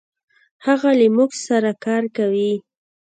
هغه له مونږ سره کار کوي.